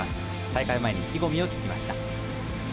大会前に意気込みを聞きました。